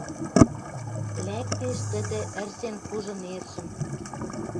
Лӓктеш тӹдӹ, ӹрзен кужы нержӹм